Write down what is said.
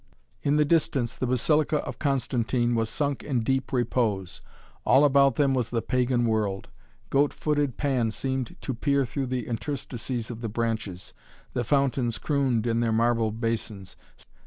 In the distance the Basilica of Constantine was sunk in deep repose. All about them was the pagan world. Goat footed Pan seemed to peer through the interstices of the branches. The fountains crooned in their marble basins.